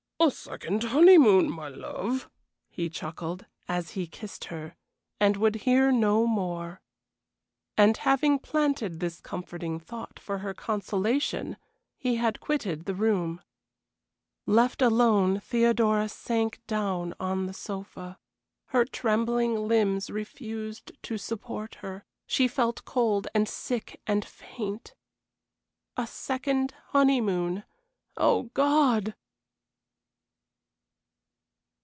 "A second honeymoon, my love!" he chuckled, as he kissed her, and would hear no more. And having planted this comforting thought for her consolation he had quitted the room. Left alone Theodora sank down on the sofa. Her trembling limbs refused to support her; she felt cold and sick and faint. A second honeymoon. Oh, God!